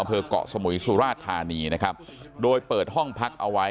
อเภอเกาะสมุยสุราชธานีโดยเปิดห้องพักเอาไว้